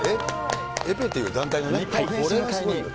エペっていう団体のね。